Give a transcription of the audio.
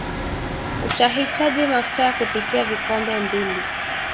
utahitaji mafuta ya kupikia vikombe mbili